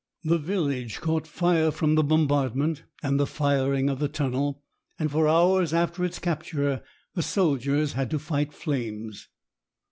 The village caught fire from the bombardment and the firing of the tunnel, and for hours after its capture the soldiers had to fight flames.